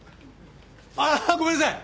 ああごめんなさい！